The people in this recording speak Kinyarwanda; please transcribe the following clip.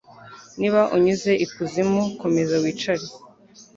Niba unyuze ikuzimu, komeza wicare